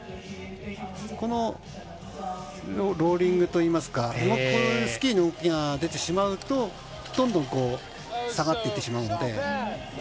このローリングといいますかスキーの動きが出てしまうと、どんどん下がっていってしまうので。